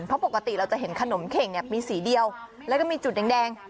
เพราะปกติเราจะเห็นขนมเข่งมีสีเดียวแล้วก็มีจุดแดง